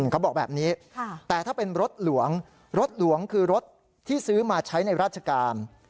เขาบอกแบบนี้แต่ถ้าเป็นรถหลวงรถหลวงคือรถที่ซื้อมาใช้ในราชการ